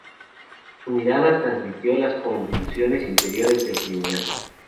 Su mirada transmitió las convulsiones interiores del criminal.